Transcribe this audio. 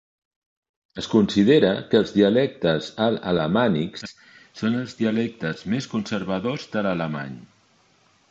Es considera que els dialectes alt alamànics són els dialectes més conservadors de l'alemany.